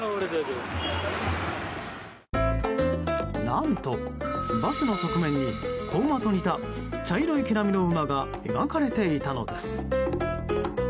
何と、バスの側面に子馬と似た茶色い毛並みの馬が描かれていたのです。